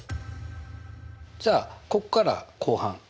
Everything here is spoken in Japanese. じゃあここから後半。